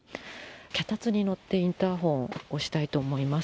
脚立に乗ってインターフォン、押したいと思います。